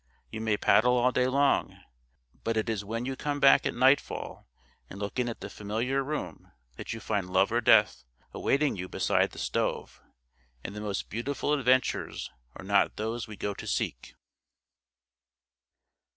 You may paddle all day long; but it is when you come back at nightfall, and look in at the familiar room, that you find Love or Death awaiting you beside the stove; and the most beautiful adventures are not those we go to seek.